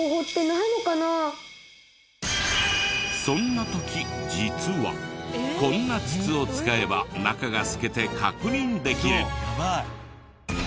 そんな時実はこんな筒を使えば中が透けて確認できる。